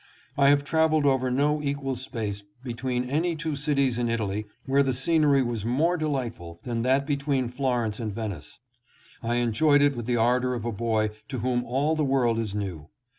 I have traveled over no equal space between any two cities in Italy where the scenery was more delightful than that between Florence and Venice. I enjoyed it with the ardor of a boy to whom all the world is new.